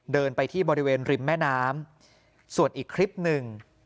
เดินไปที่บริเวณริมแม่น้ำส่วนอีกคลิปหนึ่ง